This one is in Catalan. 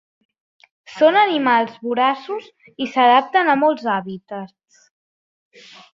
Són animals voraços i s’adapten a molts hàbitats.